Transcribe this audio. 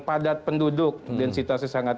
padat penduduk densitasnya sangat